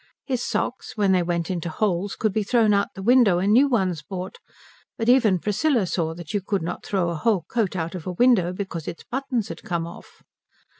His socks, when they went into holes, could be thrown out of the window and new ones bought, but even Priscilla saw that you could not throw a whole coat out of a window because its buttons had come off.